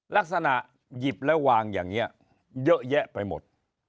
ลักษณะหยิบแล้ววางอย่างนี้เยอะแยะไปหมด